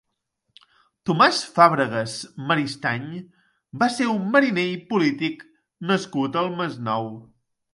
Tomàs Fàbregas Maristany va ser un mariner i polític nascut al Masnou.